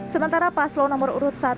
sementara paslon nomor urut satu